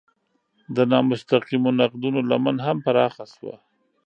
د نامستقیمو نقدونو لمن هم پراخه شوه.